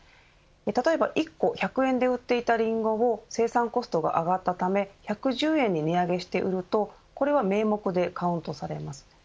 例えば、１個１００円で売っていたりんごを生産コストが上がったため１１０円に値上げして売るとこれは名目でカウントされます。